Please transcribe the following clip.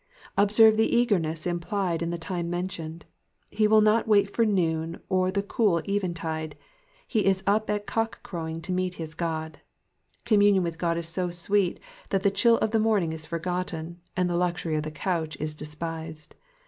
Observe the eagerness implied in the time mentioned ; he will not wait for noon or tlie cool eventide ; he is up at cockcrowing to meet his God. Com munion with God is so sweet that the chill of the morning is forgotten, and the luxury of the couch is despised.